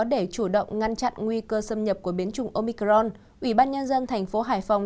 để chủ động ngăn chặn nguy cơ xâm nhập của biến chủng omicron ủy ban nhân dân thành phố hải phòng